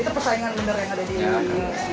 itu persaingan benar yang ada di